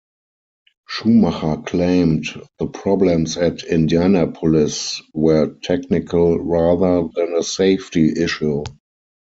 Schumacher claimed the problems at Indianapolis were technical rather than a safety issue.